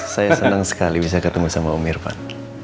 saya senang sekali bisa ketemu sama om irfan